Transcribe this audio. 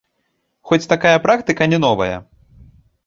Хоць такая практыка не новая.